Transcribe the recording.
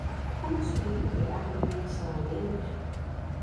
Como se recuperar do cancelamento